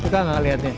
suka gak lihatnya